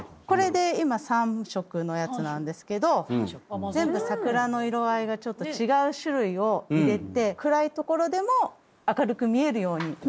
これで今３色のやつなんですけど全部桜の色合いがちょっと違う種類を入れて暗い所でも明るく見えるように。